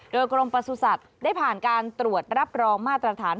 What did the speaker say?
โดยกรมประสุทธิ์ได้ผ่านการตรวจรับรองมาตรฐาน